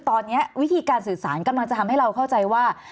ตอนนี้วิธีการสื่อสารกำลังจะทำให้เราเข้าใจว่า